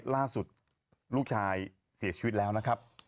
ล่าสุดลูกชายเสียชีวิตแล้วนะครับ